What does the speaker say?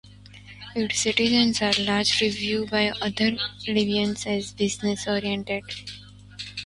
Its citizens are largely viewed by other Libyans as business oriented.